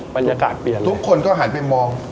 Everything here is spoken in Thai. บรรยากาศเปลี่ยนทุกคนก็หันไปมอง